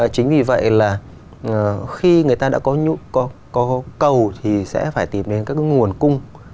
chính vì vậy là khi người ta đã có cầu thì sẽ phải tìm đến các cái nguồn cung